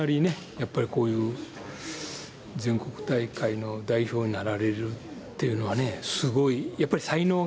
やっぱりこういう全国大会の代表になられるっていうのはねすごい。